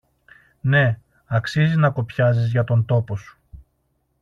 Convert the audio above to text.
Ναι, αξίζει να κοπιάζεις για τον τόπο σου.